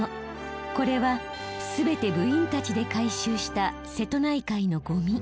これはすべて部員たちで回収した瀬戸内海のゴミ。